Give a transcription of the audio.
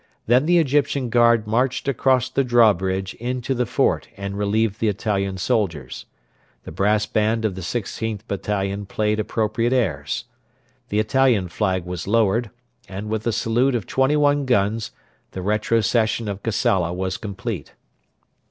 Then the Egyptian guard marched across the drawbridge into the fort and relieved the Italian soldiers. The brass band of the 16th Battalion played appropriate airs. The Italian flag was lowered, and with a salute of twenty one guns the retrocession of Kassala was complete.